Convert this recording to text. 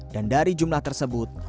dan dari jumlah tersebut